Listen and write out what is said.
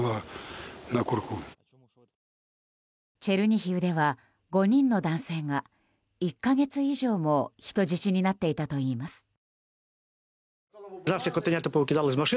チェルニヒウでは５人の男性が１か月以上も人質になっていたといいます。